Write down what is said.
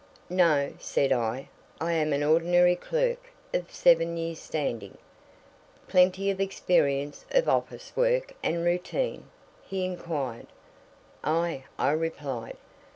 "No," said I. "I'm an ordinary clerk of seven years' standing." "Plenty of experience of office work and routine?" he inquired. "Aye!" I replied.